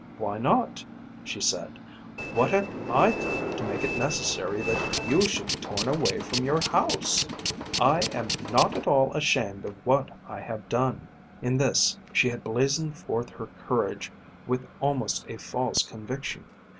"Why not?" she said. "What have I done to make it necessary that you should be torn away from your house? I am not at all ashamed of what I have done." In this she had blazoned forth her courage with almost a false conviction.